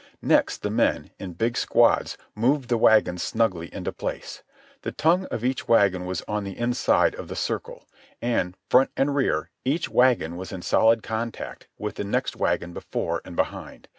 Next the men, in big squads, moved the wagons snugly into place. The tongue of each wagon was on the inside of the circle, and, front and rear, each wagon was in solid contact with the next wagon before and behind.